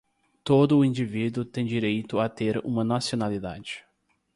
Todo o indivíduo tem direito a ter uma nacionalidade.